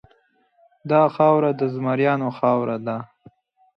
دا خاوره د زمریانو خاوره ده.